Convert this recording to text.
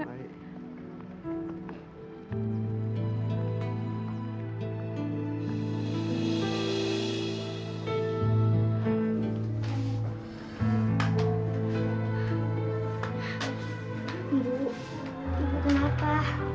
ibu ibu kenapa